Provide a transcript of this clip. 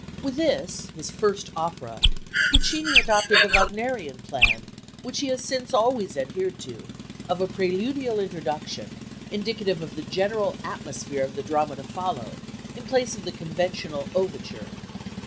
With this, his first opera, Puccini adopted the Wagnerian plan which he has since always adhered to, of a preludial introduction, indicative of the general atmosphere of the drama to follow, in place of the conventional overture.